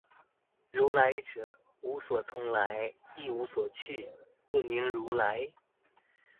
如來者，無所從來，亦無所去，故名如來